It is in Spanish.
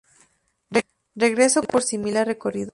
Regreso por similar recorrido.